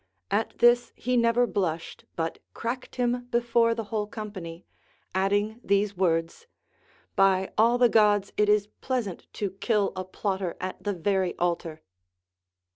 At this he never blushed, but cracked him before the whole company, adding these words, By all the Gods, it is pleasant to kill a plotter at the very altar.